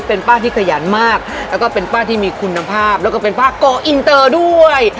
เป็นป้าที่ขยันมากแล้วก็เป็นป้าที่มีคุณภาพแล้วก็เป็นป้าก่ออินเตอร์ด้วย